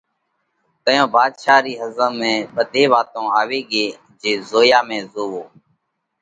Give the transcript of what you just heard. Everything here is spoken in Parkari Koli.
تئيون ڀاڌشا رِي ۿزم ۾ ٻڌئِي وات آوي ڳئِي جي “زويا ۾ زووَو”